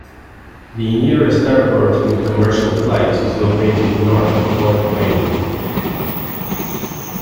The nearest airport with commercial flights is located north in Fort Wayne.